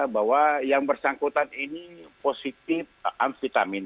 bahwa yang bersangkutan ini positif amfetamin